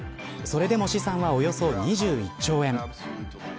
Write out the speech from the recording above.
それでも資産はおよそ２１兆円。